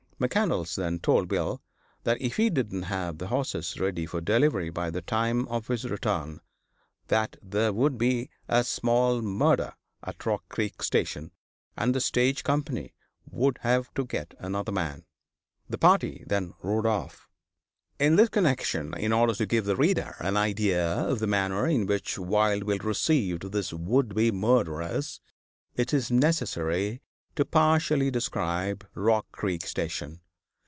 McCandlas then told Bill if he didn't have the horses ready for delivery by the time of his return, "that there would be a small murder at Rock Creek station, and the stage company would have to get another man." The party then rode off. In this connection, in order to give the reader an idea of the manner in which Wild Bill received his would be murderers, it is necessary to partially describe Rock Creek station.